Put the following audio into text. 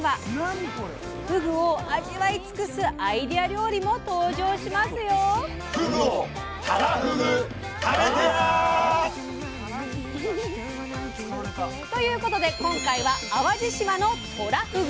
ふぐを味わいつくすアイデア料理も登場しますよ！ということで今回は淡路島の「とらふぐ」！